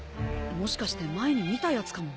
もしかして前に見たやつかも。